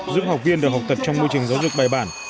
giúp học viên được học tập trong môi trường giáo dục bài bản